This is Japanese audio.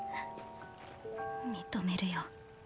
認めるよ。